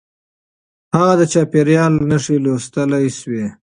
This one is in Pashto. هغه د چاپېريال نښې لوستلای شوې.